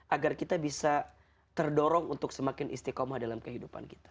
agar kita bisa terdorong untuk semakin istiqomah dalam kehidupan kita